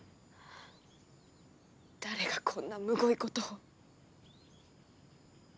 誰がこんなむごい事を。